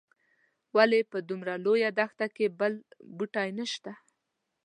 ولې په دومره لویه دښته کې بل بوټی نه شته.